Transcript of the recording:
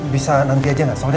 bisa nanti aja gak saudara